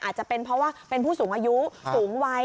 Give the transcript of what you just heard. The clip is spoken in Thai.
อาจจะเป็นเพราะว่าเป็นผู้สูงอายุสูงวัย